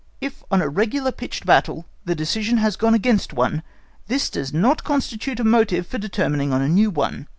If on a regular pitched battle, the decision has gone against one, this does not constitute a motive for determining on a new one.